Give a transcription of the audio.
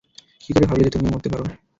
কী করে ভাবলে যে তুমিও মরতে পারো?